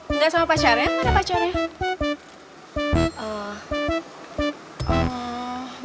enggak sama pacarnya pacarnya